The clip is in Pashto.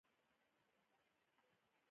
کچالو سره ځینې خلک شړې هم پخوي